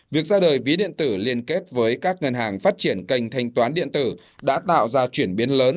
việc ra đời ví điện tử liên kết với các ngân hàng phát triển kênh thanh toán điện tử đã tạo ra chuyển biến lớn